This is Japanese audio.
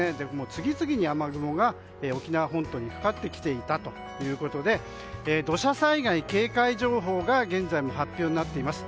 次々に雨雲が沖縄本島にかかってきていたということで土砂災害警戒情報が現在も発表になっています。